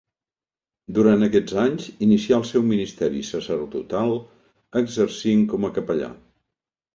Durant aquests anys inicià el seu ministeri sacerdotal exercint com a capellà.